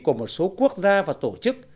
của một số quốc gia và tổ chức